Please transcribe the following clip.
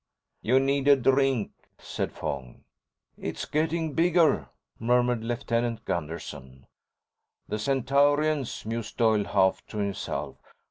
"You need a drink," said Fong. "It's getting bigger," murmured Lieutenant Gunderson. "The Centaurians," mused Doyle, half to himself.